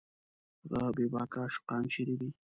هغه بېباکه عاشقان چېرې دي